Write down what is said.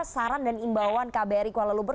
saran dan imbauan kbri kuala lumpur